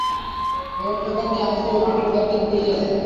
গ্রন্থখানি আজিও মঠের লাইব্রেরীতে রহিয়াছে।